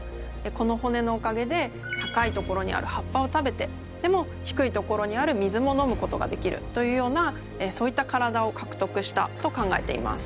この骨のおかげで高い所にある葉っぱを食べてでも低い所にある水も飲むことができるというようなそういった体を獲得したと考えています。